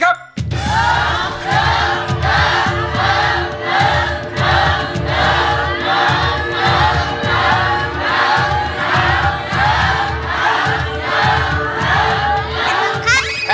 เพลงนี้ที่๕หมื่นบาทแล้วน้องแคน